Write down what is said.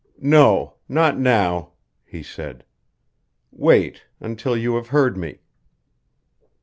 "No not now," he said. "Wait until you have heard me."